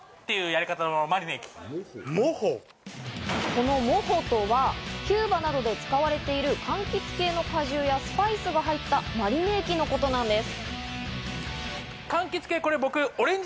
このモホとは、キューバなどで使われている柑橘系の果汁やスパイスが入ったマリネ液のことなんです。